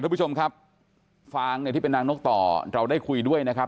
ทุกผู้ชมครับฟางเนี่ยที่เป็นนางนกต่อเราได้คุยด้วยนะครับ